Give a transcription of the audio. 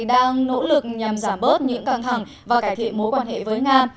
đang nỗ lực nhằm giảm bớt những căng thẳng và cải thiện mối quan hệ với nga